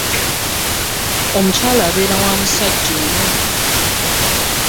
Omukyala abeera wa musajja omu.